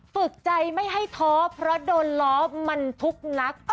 ฝึกใจไม่ให้ท้อเพราะโดนล้อมันทุกนัก